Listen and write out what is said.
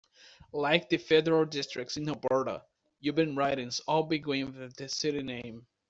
Like the federal districts in Alberta, urban ridings all begin with the city name.